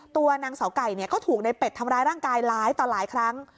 ตัวนางเสาไก่ก็ถูกในเป็ดทำร้ายร่างกายหลายต่อหลายครั้ง